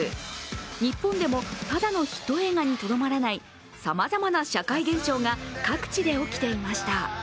日本でも、ただのヒット映画にとどまらないさまざまな社会現象が各地で起きていました。